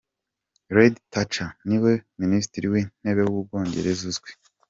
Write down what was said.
Lady Thatcher ni we Minisitiri wIntebe wu Bwongereza uzwi.